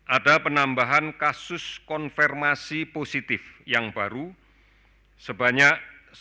ada penambahan kasus konfirmasi positif yang baru sebanyak satu ratus tiga belas